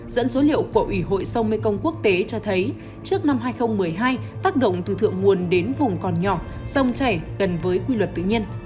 dẫn số liệu của ủy hội sông mekong quốc tế cho thấy trước năm hai nghìn một mươi hai tác động từ thượng nguồn đến vùng còn nhỏ sông chảy gần với quy luật tự nhiên